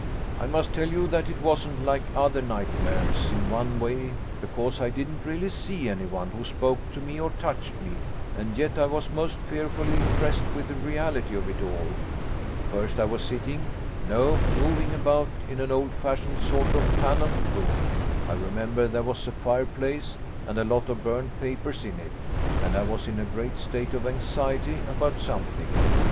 I must tell you that it wasn't like other nightmares in one way, because I didn't really see anyone who spoke to me or touched me, and yet I was most fearfully impressed with the reality of it all. First I was sitting, no, moving about, in an old fashioned sort of panelled room. I remember there was a fireplace and a lot of burnt papers in it, and I was in a great state of anxiety about something.